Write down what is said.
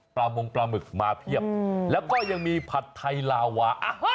มงปลาหมึกมาเพียบแล้วก็ยังมีผัดไทยลาวา